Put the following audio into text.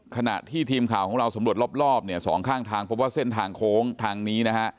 ขณะที่ทีมข่าวของเราสำรวจรอบเนี่ยสองข้างทางพบว่าเส้นทางโค้งทางนี้นะฮะ